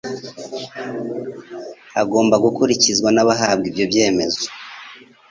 agomba gukurikizwa n abahabwa ibyo byemezo